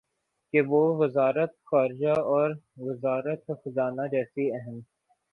کہ وہ وزارت خارجہ اور وزارت خزانہ جیسی اہم